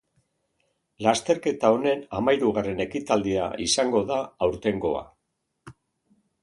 Lasterketa honen hamairugarren ekitaldia izango da aurtengoa.